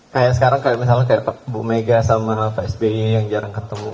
kayak sekarang kayak misalnya kayak bu mega sama pak sby yang jarang ketemu